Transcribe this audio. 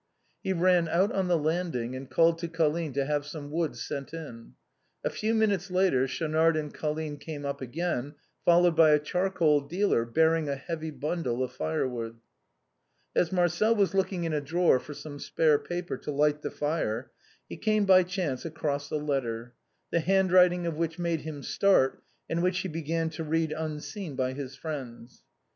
"He ran out on the landing and called to Colline to have some wood sent in. A few minutes later Schaunard and Colline came up again, followed by a charcoal dealer, bear ing a heavy bundle of firewood. As Marcel was looking in a drawer for some spare paper to light the fire, he came by chance across a letter, the handwriting of which made him start, and which he began to read unseen by his friends.